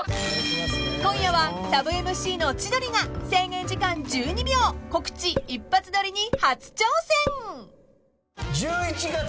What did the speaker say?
［今夜はサブＭＣの千鳥が制限時間１２秒告知一発撮りに初挑戦］